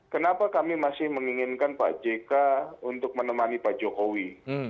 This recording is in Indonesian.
kenapa kami masih menginginkan pak jk untuk menemani pak jokowi